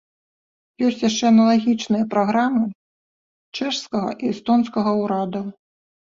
Ёсць яшчэ аналагічныя праграмы чэшскага і эстонскага ўрадаў.